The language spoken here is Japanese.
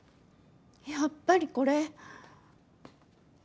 やっぱりこれ。